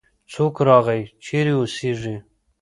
څوک راغی؟ چیرې اوسیږې؟